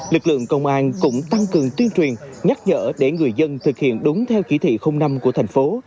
lực lượng công an cũng tăng cường tuyên truyền nhắc nhở để người dân thực hiện đúng theo chỉ thị năm của thành phố